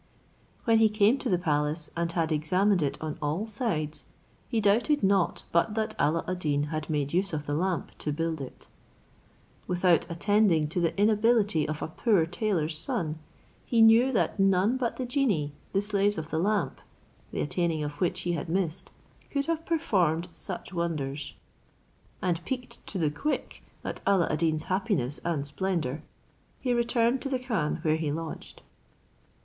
When he came to the palace, and had examined it on all sides, he doubted not but that Alla ad Deen had made use of the lamp to build it. Without attending to the inability of a poor tailor's son, he knew that none but the genii, the slaves of the lamp, the attaining of which he had missed, could have performed such wonders; and piqued to the quick at Alla ad Deen's happiness and splendour, he returned to the khan where he lodged.